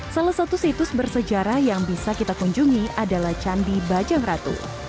salah satu situs bersejarah yang bisa kita kunjungi adalah candi bajang ratu